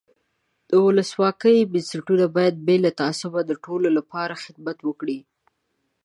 د ولسواکۍ بنسټونه باید بې له تعصبه د ټولو له پاره خدمتونه وکړي.